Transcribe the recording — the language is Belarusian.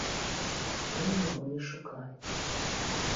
Дома яго не шукалі.